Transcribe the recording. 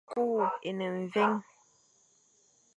Ku é ne mvè.